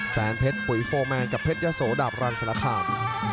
แสนเพชรปุ๋ยโฟร์แมนกับเพชรยะโสดาบรังสารคาม